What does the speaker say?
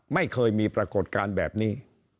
ไม่เคยมีปรากฏการณ์แบบนี้